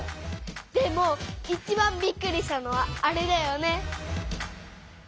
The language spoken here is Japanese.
でもいちばんびっくりしたのはあれだよね。